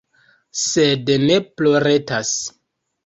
Sed ne ploretas.